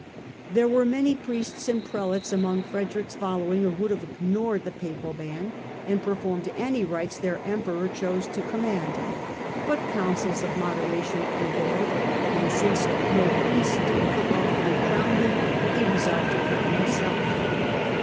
There were many priests and prelates among Frederick's following who would have ignored the Papal ban and performed any rites their Emperor chose to command : but councils of moderation prevailed, and since no priest could lawfully crown him he resolved to crown himself.